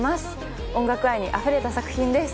音楽愛にあふれた作品です。